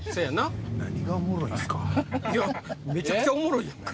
めちゃくちゃおもろいやんか。